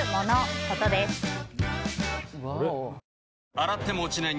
洗っても落ちない